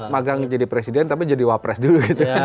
magang jadi presiden tapi jadi wapres dulu